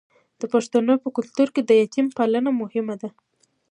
د پښتنو په کلتور کې د یتیم پالنه مهمه ده.